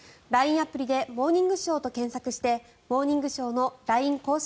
アプリで「モーニングショー」と検索して「モーニングショー」の公式